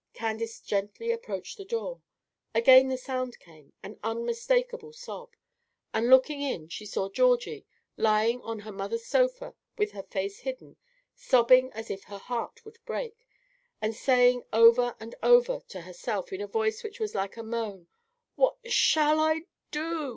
Candace gently approached the door. Again the sound came, an unmistakable sob; and looking in she saw Georgie, lying on her mother's sofa with her face hidden, sobbing as if her heart would break, and saying over and over to herself in a voice which was like a moan, "What shall I do?